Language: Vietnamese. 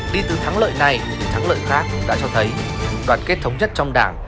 đi từ thắng lợi này đến thắng lợi khác đã cho thấy đoàn kết thống nhất trong đảng